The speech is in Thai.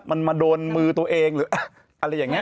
มันมาโดนมือตัวเองหรืออะไรอย่างนี้